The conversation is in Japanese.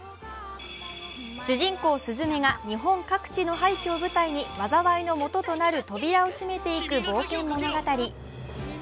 主人公・すずめが日本各地の廃虚を舞台に災いの元となる扉を閉めていく冒険物語。